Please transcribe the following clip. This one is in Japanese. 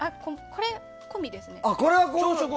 これは込みですね。